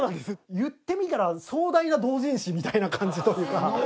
言ってみたら壮大な同人誌みたいな感じというか。